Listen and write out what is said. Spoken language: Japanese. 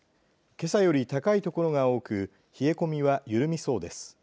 けさより高い所が多く冷え込みは緩みそうです。